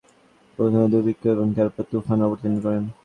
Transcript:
প্রথমে দুর্ভিক্ষ এবং তারপর তুফান অবতীর্ণ করেন।